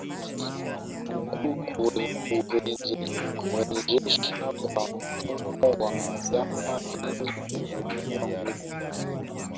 gu kurejeshwa kwa mfumo wa viama vingi umezua gumzo